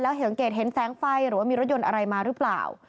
สังเกตเห็นแสงไฟหรือว่ามีรถยนต์อะไรมาหรือเปล่า